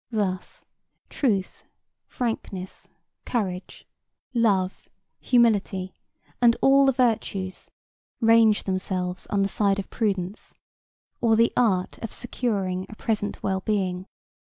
Thus truth, frankness, courage, love, humility and all the virtues range themselves on the side of prudence, or the art of securing a present well being.